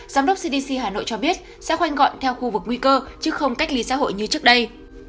giám đốc cdc hà nội cho biết sẽ khoanh gọn theo khu vực nguy cơ chứ không cách ly xã hội như trước đây